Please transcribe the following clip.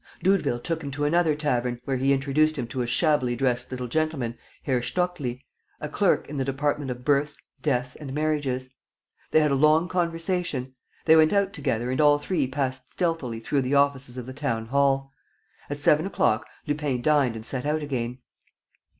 Doudeville took him to another tavern, where he introduced him to a shabbily dressed little gentleman, Herr Stockli, a clerk in the department of births, deaths and marriages. They had a long conversation. They went out together and all three passed stealthily through the offices of the town hall. At seven o'clock, Lupin dined and set out again.